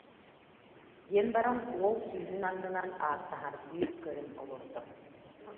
диэн баран, уол сүүһүн аннынан ааттаһардыы көрөн олордо